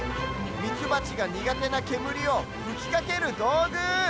ミツバチがにがてなけむりをふきかけるどうぐ。